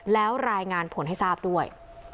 แล้วรายงานผลให้ทราบด้วย